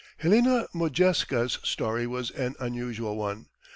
Helena Modjeska's story was an unusual one.